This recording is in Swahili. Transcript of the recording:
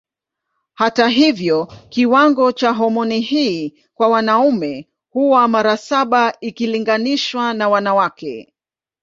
Hata hivyo kiwango cha homoni hii kwa wanaume huwa mara saba ikilinganishwa na wanawake.